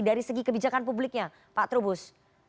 dari segi kebijakan publiknya pak trubus